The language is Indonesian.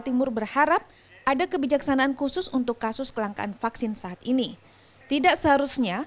timur berharap ada kebijaksanaan khusus untuk kasus kelangkaan vaksin saat ini tidak seharusnya